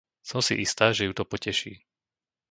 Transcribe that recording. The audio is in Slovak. Som si istá, že ju to poteší!